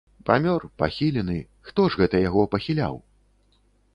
Памёр, пахілены, хто ж гэта яго пахіляў?